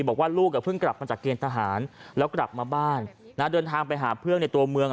บอกว่าลูกอ่ะเพิ่งกลับมาจากเกณฑ์ทหารแล้วกลับมาบ้านนะเดินทางไปหาเพื่อนในตัวเมือง